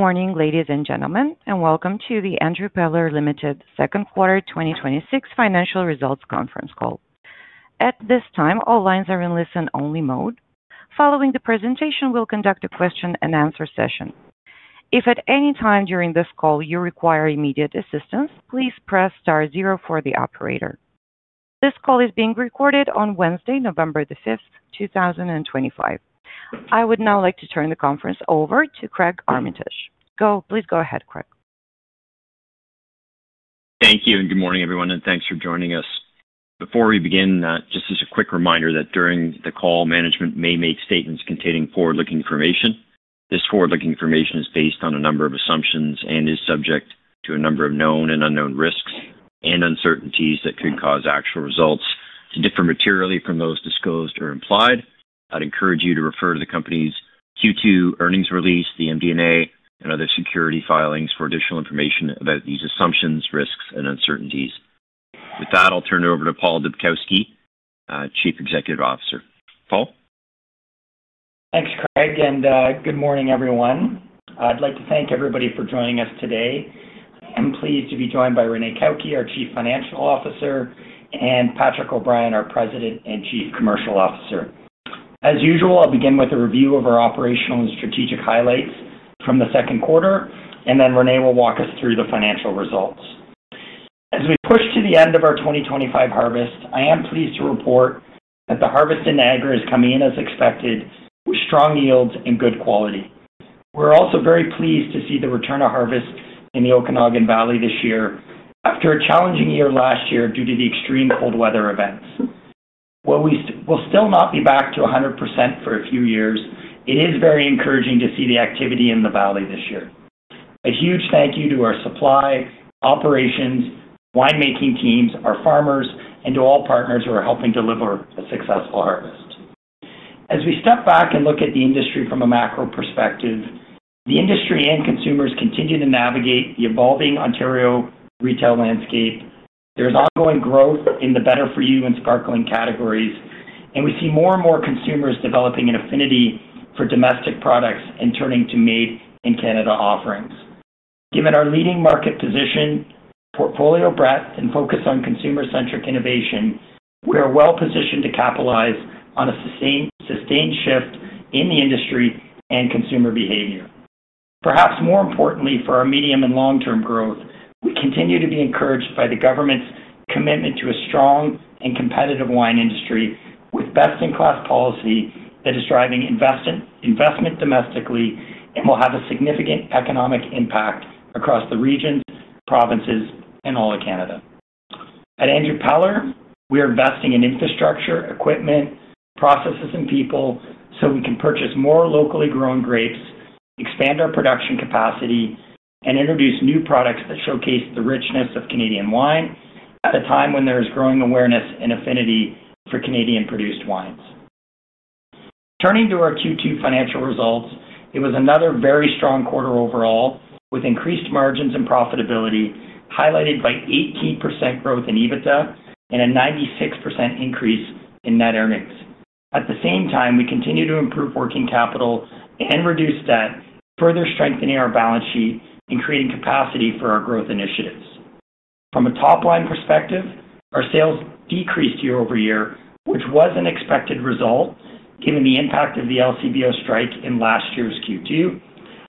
Morning, ladies and gentlemen, and welcome to the Andrew Peller Limited Second Quarter 2026 Financial Results Conference Call. At this time, all lines are in listen-only mode. Following the presentation, we'll conduct a question-and-answer session. If at any time during this call you require immediate assistance, please press star zero for the operator. This call is being recorded on Wednesday, November 5, 2025. I would now like to turn the conference over to Craig Armitage. Please go ahead, Craig. Thank you, and good morning, everyone, and thanks for joining us. Before we begin, just as a quick reminder that during the call, management may make statements containing forward-looking information. This forward-looking information is based on a number of assumptions and is subject to a number of known and unknown risks and uncertainties that could cause actual results to differ materially from those disclosed or implied. I'd encourage you to refer to the company's Q2 earnings release, the MD&A, and other security filings for additional information about these assumptions, risks, and uncertainties. With that, I'll turn it over to Paul Dubkowski, Chief Executive Officer. Paul? Thanks, Craig, and good morning, everyone. I'd like to thank everybody for joining us today. I'm pleased to be joined by Renee Cauchi, our Chief Financial Officer, and Patrick O'Brien, our President and Chief Commercial Officer. As usual, I'll begin with a review of our operational and strategic highlights from the second quarter, and then Renee will walk us through the financial results. As we push to the end of our 2025 harvest, I am pleased to report that the harvest in Niagara is coming in as expected, with strong yields and good quality. We're also very pleased to see the return to harvest in the Okanagan Valley this year after a challenging year-last-year due to the extreme cold weather events. While we will still not be back to 100% for a few years, it is very encouraging to see the activity in the valley this year. A huge thank you to our supply, operations, winemaking teams, our farmers, and to all partners who are helping deliver a successful harvest. As we step back and look at the industry from a macro perspective, the industry and consumers continue to navigate the evolving Ontario retail landscape. There is ongoing growth in the Better For You and Sparkling categories, and we see more and more consumers developing an affinity for domestic products and turning to made-in-Canada offerings. Given our leading market position, portfolio breadth, and focus on consumer-centric innovation, we are well positioned to capitalize on a sustained shift in the industry and consumer behavior. Perhaps more importantly, for our medium and long-term growth, we continue to be encouraged by the government's commitment to a strong and competitive wine industry with best-in-class policy that is driving investment domestically and will have a significant economic impact across the regions, provinces, and all of Canada. At Andrew Peller, we are investing in infrastructure, equipment, processes, and people so we can purchase more locally grown grapes, expand our production capacity, and introduce new products that showcase the richness of Canadian wine at a time when there is growing awareness and affinity for Canadian-produced wines. Turning to our Q2 financial results, it was another very strong quarter overall, with increased margins and profitability highlighted by 18% growth in EBITDA and a 96% increase in net earnings. At the same time, we continue to improve working capital and reduce debt, further strengthening our balance sheet and creating capacity for our growth initiatives. From a top-line perspective, our sales decreased year over year, which was an expected result given the impact of the LCBO strike in last year's Q2.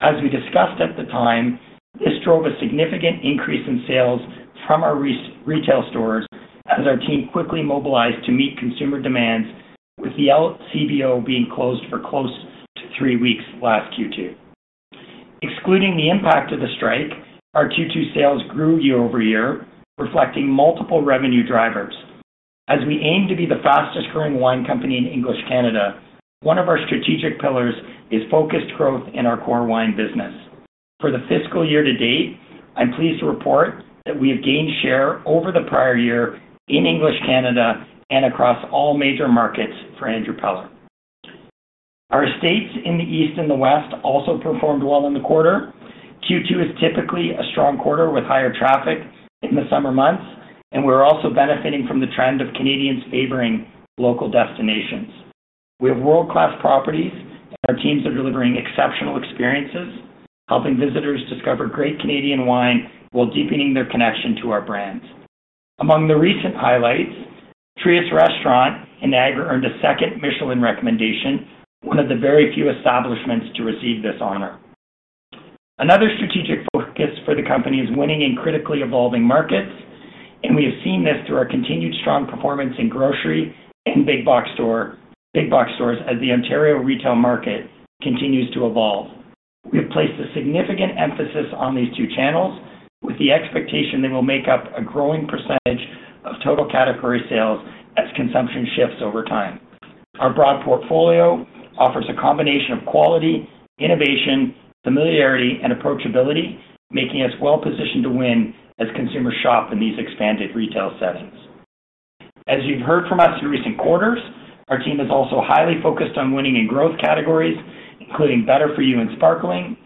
As we discussed at the time, this drove a significant increase in sales from our retail stores as our team quickly mobilized to meet consumer demands, with the LCBO being closed for close to three weeks last Q2. Excluding the impact of the strike, our Q2 sales grew year-over-year, reflecting multiple revenue drivers. As we aim to be the fastest-growing wine company in English Canada, one of our strategic pillars is focused growth in our core wine business. For the fiscal year to date, I'm pleased to report that we have gained share over the prior year in English Canada and across all major markets for Andrew Peller. Our estates in the east and the west also performed well in the quarter. Q2 is typically a strong quarter with higher traffic in the summer months, and we're also benefiting from the trend of Canadians favoring local destinations. We have world-class properties, and our teams are delivering exceptional experiences, helping visitors discover great Canadian wine while deepening their connection to our brands. Among the recent highlights, Trius Restaurant in Niagara earned a second Michelin recommendation, one of the very few establishments to receive this honor. Another strategic focus for the company is winning in critically evolving markets, and we have seen this through our continued strong performance in grocery and big-box stores as the Ontario retail market continues to evolve. We have placed a significant emphasis on these two channels with the expectation they will make up a growing percentage of total category sales as consumption shifts over time. Our broad portfolio offers a combination of quality, innovation, familiarity, and approachability, making us well positioned to win as consumers shop in these expanded retail settings. As you have heard from us in recent quarters, our team is also highly focused on winning in growth categories, including Better For You and Sparkling.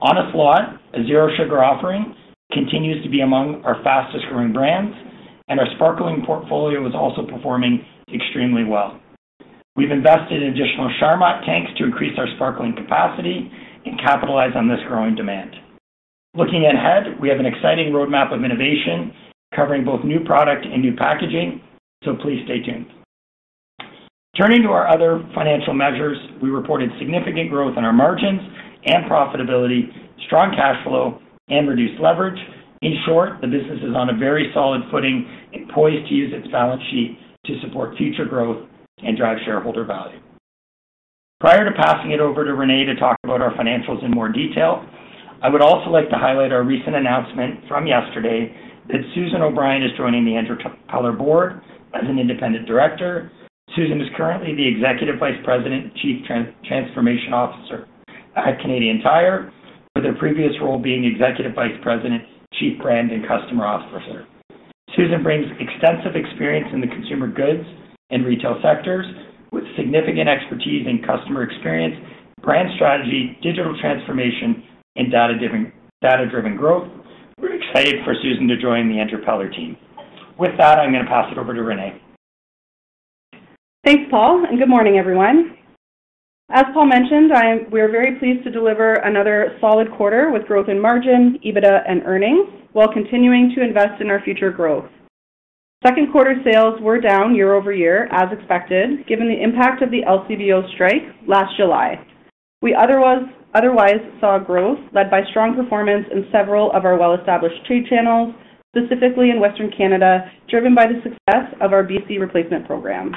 Honest Lot, a zero-sugar offering, continues to be among our fastest-growing brands, and our Sparkling portfolio is also performing extremely well. We've invested in additional Charmat tanks to increase our Sparkling capacity and capitalize on this growing demand. Looking ahead, we have an exciting roadmap of innovation covering both new product and new packaging, so please stay tuned. Turning to our other financial measures, we reported significant growth in our margins and profitability, strong cash flow, and reduced leverage. In short, the business is on a very solid footing and poised to use its balance sheet to support future growth and drive shareholder value. Prior to passing it over to Renee to talk about our financials in more detail, I would also like to highlight our recent announcement from yesterday that Susan O'Brien is joining the Andrew Peller Board as an independent director. Susan is currently the Executive Vice President and Chief Transformation Officer at Canadian Tire, with her previous role being Executive Vice President, Chief Brand and Customer Officer. Susan brings extensive experience in the consumer goods and retail sectors with significant expertise in customer experience, brand strategy, digital transformation, and data-driven growth. We're excited for Susan to join the Andrew Peller team. With that, I'm going to pass it over to Renee. Thanks, Paul, and good morning, everyone. As Paul mentioned, we are very pleased to deliver another solid quarter with growth in margin, EBITDA, and earnings while continuing to invest in our future growth. Second quarter sales were down year-over-year, as expected, given the impact of the LCBO strike last July. We otherwise saw growth led by strong performance in several of our well-established trade channels, specifically in Western Canada, driven by the success of our BC replacement program.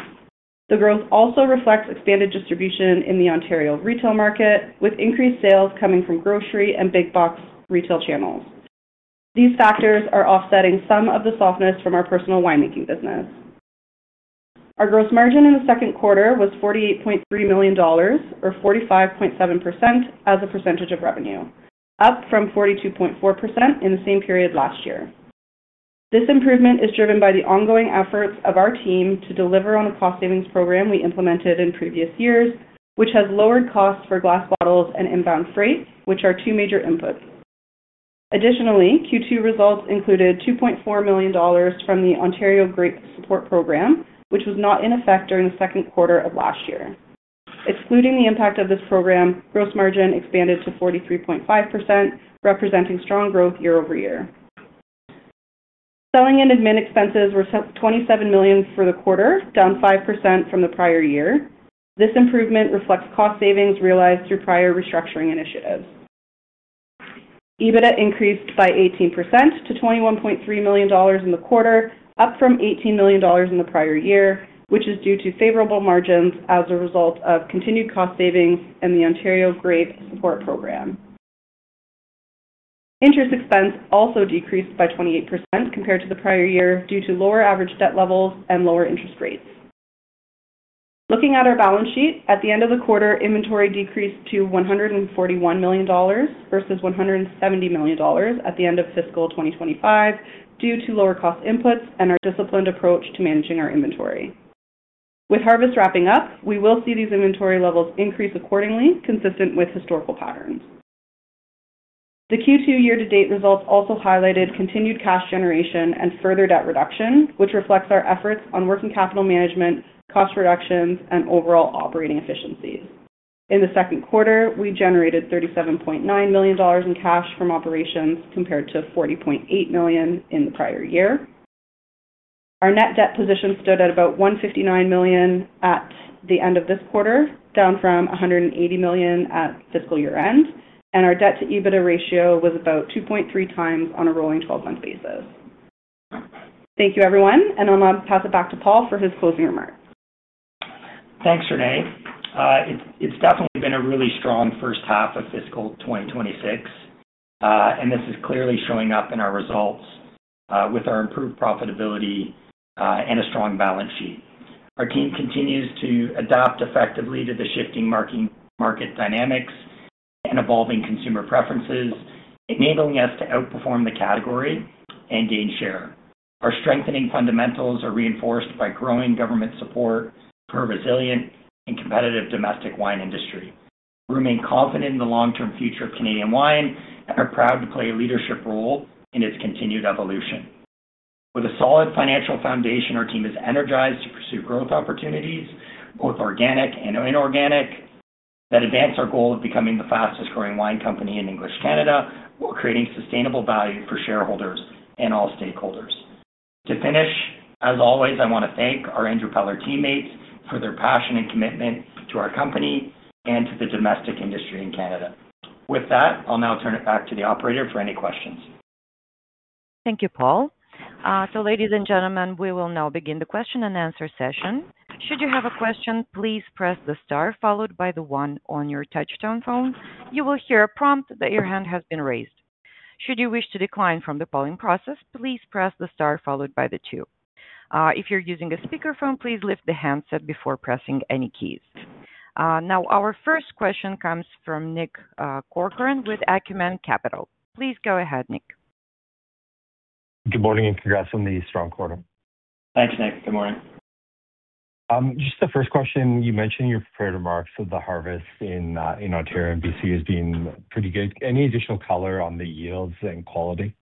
The growth also reflects expanded distribution in the Ontario retail market, with increased sales coming from grocery and big-box retail channels. These factors are offsetting some of the softness from our personal winemaking business. Our gross margin in the second quarter was 48.3 million dollars, or 45.7%, as a percentage of revenue, up from 42.4% in the same period last year. This improvement is driven by the ongoing efforts of our team to deliver on a cost-savings program we implemented in previous years, which has lowered costs for glass bottles and inbound freight, which are two major inputs. Additionally, Q2 results included 2.4 million dollars from the Ontario Grape Support Program, which was not in effect during the second quarter of last year. Excluding the impact of this program, gross margin expanded to 43.5%, representing strong growth year-over-year. Selling and admin expenses were 27 million for the quarter, down 5% from the prior year. This improvement reflects cost savings realized through prior restructuring initiatives. EBITDA increased by 18% to 21.3 million dollars in the quarter, up from 18 million dollars in the prior year, which is due to favorable margins as a result of continued cost savings and the Ontario Grape Support Program. Interest expense also decreased by 28% compared to the prior year due to lower average debt levels and lower interest rates. Looking at our balance sheet, at the end of the quarter, inventory decreased to 141 million dollars versus 170 million dollars at the end of fiscal 2025 due to lower cost inputs and our disciplined approach to managing our inventory. With harvest wrapping up, we will see these inventory levels increase accordingly, consistent with historical patterns. The Q2 year-to-date results also highlighted continued cash generation and further debt reduction, which reflects our efforts on working capital management, cost reductions, and overall operating efficiencies. In the second quarter, we generated 37.9 million dollars in cash from operations compared to 40.8 million in the prior year. Our net debt position stood at about 159 million at the end of this quarter, down from 180 million at fiscal year-end, and our debt-to-EBITDA ratio was about 2.3 times on a rolling 12-month basis. Thank you, everyone, and I'll now pass it back to Paul for his closing remarks. Thanks, Renee. It’s definitely been a really strong first half of fiscal 2026. This is clearly showing up in our results with our improved profitability and a strong balance sheet. Our team continues to adapt effectively to the shifting market dynamics and evolving consumer preferences, enabling us to outperform the category and gain share. Our strengthening fundamentals are reinforced by growing government support for a resilient and competitive domestic wine industry. We remain confident in the long-term future of Canadian wine and are proud to play a leadership role in its continued evolution. With a solid financial foundation, our team is energized to pursue growth opportunities, both organic and inorganic, that advance our goal of becoming the fastest-growing wine company in English Canada while creating sustainable value for shareholders and all stakeholders. To finish, as always, I want to thank our Andrew Peller teammates for their passion and commitment to our company and to the domestic industry in Canada. With that, I'll now turn it back to the operator for any questions. Thank you, Paul. So, ladies and gentlemen, we will now begin the question-and-answer session. Should you have a question, please press the star followed by the one on your touch-tone phone. You will hear a prompt that your hand has been raised. Should you wish to decline from the polling process, please press the star followed by the two. If you're using a speakerphone, please lift the handset before pressing any keys. Now, our first question comes from Nick Corcoran with Acumen Capital. Please go ahead, Nick. Good morning and congrats on the strong quarter. Thanks, Nick. Good morning. Just the first question, you mentioned your prior remarks of the harvest in Ontario and BC has been pretty good. Any additional color on the yields and quality?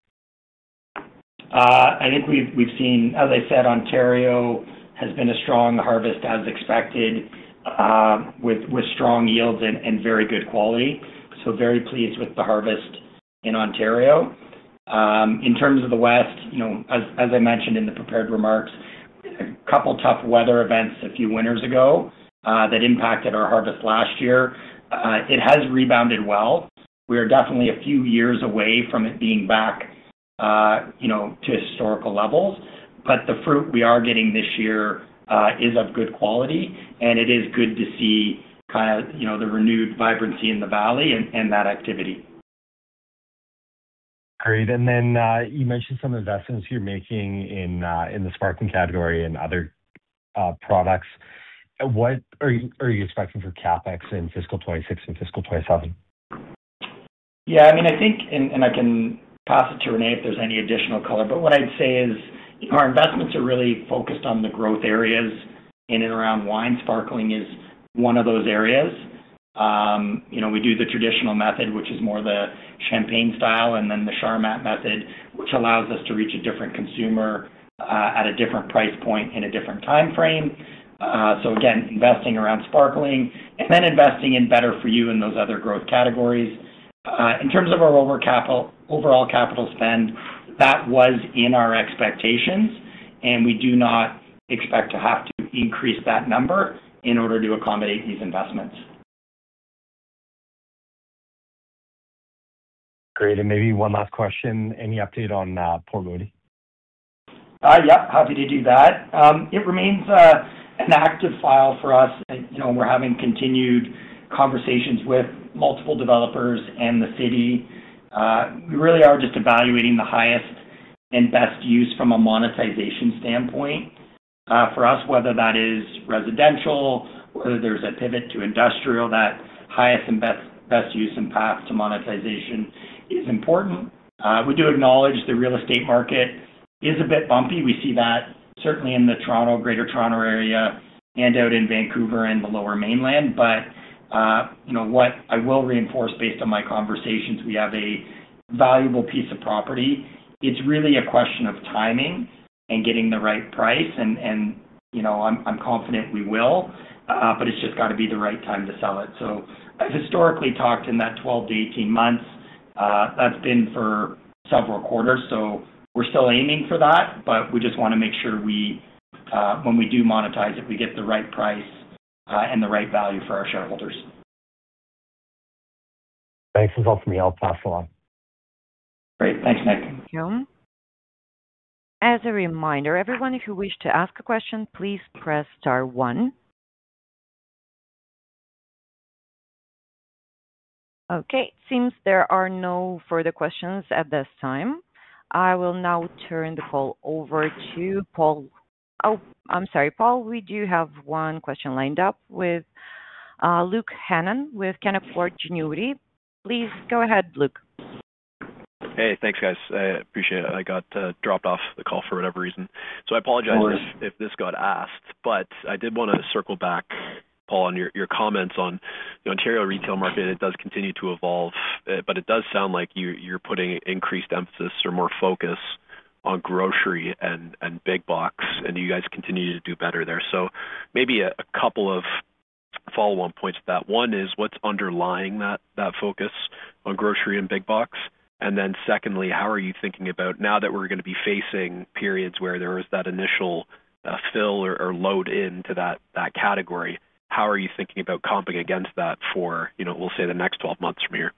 I think we've seen, as I said, Ontario has been a strong harvest, as expected. With strong yields and very good quality. Very pleased with the harvest in Ontario. In terms of the west, as I mentioned in the prepared remarks, a couple of tough weather events a few winters ago that impacted our harvest last year. It has rebounded well. We are definitely a few years away from it being back to historical levels. The fruit we are getting this year is of good quality, and it is good to see kind of the renewed vibrancy in the valley and that activity. Great. You mentioned some investments you're making in the Sparkling category and other products. What are you expecting for CapEx in fiscal 2026 and fiscal 2027? Yeah, I mean, I think, and I can pass it to Renee if there's any additional color, but what I'd say is our investments are really focused on the growth areas in and around wine. Sparkling is one of those areas. We do the traditional method, which is more the champagne style, and then the Charmat method, which allows us to reach a different consumer at a different price point in a different time frame. Again, investing around Sparkling and then investing in Better For You and those other growth categories. In terms of our overall capital spend, that was in our expectations, and we do not expect to have to increase that number in order to accommodate these investments. Great. Maybe one last question, any update on Port Moody? Yep, happy to do that. It remains an active file for us. We're having continued conversations with multiple developers and the city. We really are just evaluating the highest and best use from a monetization standpoint. For us, whether that is residential, whether there's a pivot to industrial, that highest and best use and path to monetization is important. We do acknowledge the real estate market is a bit bumpy. We see that certainly in the Greater Toronto Area and out in Vancouver and the Lower Mainland. What I will reinforce based on my conversations, we have a valuable piece of property. It's really a question of timing and getting the right price, and I'm confident we will. It's just got to be the right time to sell it. I've historically talked in that 12-18 months. That's been for several quarters. We're still aiming for that, but we just want to make sure we, when we do monetize it, we get the right price and the right value for our shareholders. Thanks. This helps me out. Pass it along. Great. Thanks, Nick. Thank you. As a reminder, everyone who wished to ask a question, please press star one. Okay. It seems there are no further questions at this time. I will now turn the call over to Paul. Oh, I'm sorry, Paul, we do have one question lined up with Luke Hannon with KFM Investment Management. Please go ahead, Luke. Hey, thanks, guys. I appreciate it. I got dropped off the call for whatever reason. I apologize if this got asked, but I did want to circle back, Paul, on your comments on the Ontario retail market. It does continue to evolve, but it does sound like you're putting increased emphasis or more focus on grocery and big box, and you guys continue to do better there. Maybe a couple of follow-up points to that. One is what's underlying that focus on grocery and big box? Secondly, how are you thinking about now that we're going to be facing periods where there was that initial fill or load into that category? How are you thinking about comping against that for, we'll say, the next 12 months from here?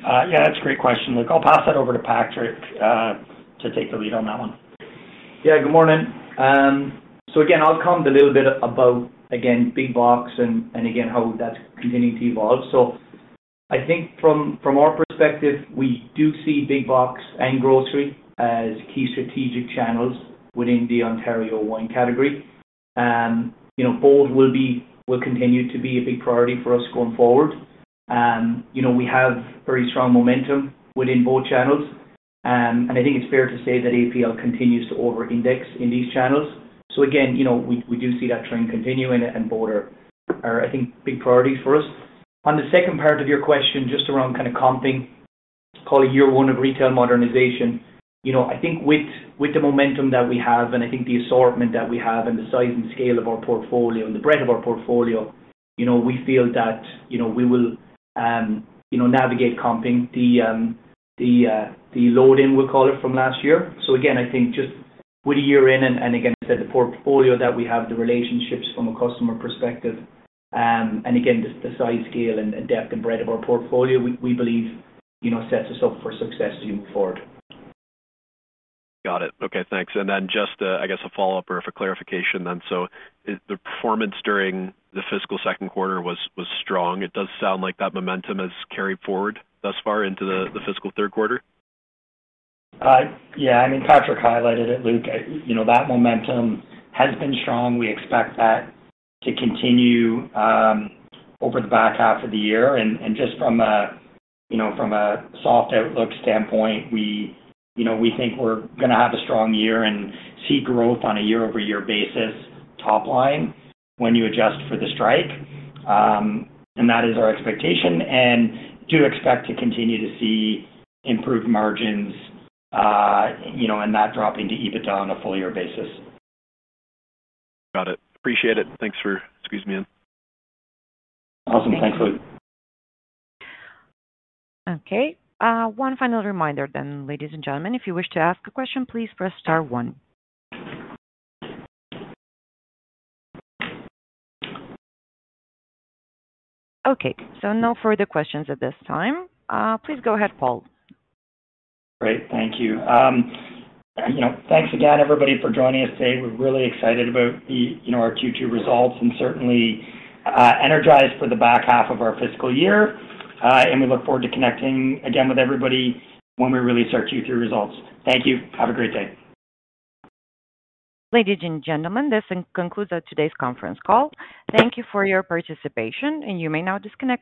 Yeah, that's a great question, Luke. I'll pass that over to Patrick to take the lead on that one. Yeah, good morning. Again, I'll comment a little bit about big box and how that's continuing to evolve. I think from our perspective, we do see big box and grocery as key strategic channels within the Ontario wine category. Both will continue to be a big priority for us going forward. We have very strong momentum within both channels. I think it's fair to say that APL continues to over-index in these channels. We do see that trend continue, and both are big priorities for us. On the second part of your question, just around kind of comping, call it year one of retail modernization, I think with the momentum that we have and the assortment that we have and the size and scale of our portfolio and the breadth of our portfolio, we feel that we will. Navigate comping the load-in, we'll call it, from last year. I think just with a year in and, again, I said, the portfolio that we have, the relationships from a customer perspective, and the size, scale, and depth and breadth of our portfolio, we believe sets us up for success to move forward. Got it. Okay, thanks. I guess, a follow-up or for clarification then. The performance during the fiscal second quarter was strong. It does sound like that momentum has carried forward thus far into the fiscal third quarter. Yeah, I mean, Patrick highlighted it, Luke. That momentum has been strong. We expect that to continue over the back half of the year. And just from a soft outlook standpoint, we think we're going to have a strong year and see growth on a year-over-year basis top line when you adjust for the strike. That is our expectation. We do expect to continue to see improved margins and that dropping to EBITDA on a full-year basis. Got it. Appreciate it. Thanks for squeezing me in. Awesome. Thanks, Luke. Okay. One final reminder then, ladies and gentlemen, if you wish to ask a question, please press star one. Okay. No further questions at this time. Please go ahead, Paul. Great. Thank you. Thanks again, everybody, for joining us today. We're really excited about our Q2 results and certainly energized for the back half of our fiscal year. We look forward to connecting again with everybody when we release our Q3 results. Thank you. Have a great day. Ladies and gentlemen, this concludes today's conference call. Thank you for your participation, and you may now disconnect.